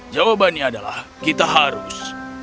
jawabannya adalah kita harus